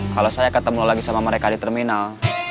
kalau saya ketemu lagi sama mereka di terminal